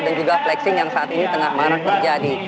dan juga flexing yang saat ini tengah marah terjadi